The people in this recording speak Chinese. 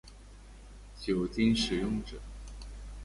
酒精使用者